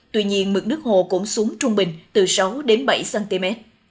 tuy nhiên mực nước hồ cũng xuống trung bình từ sáu đến bảy cm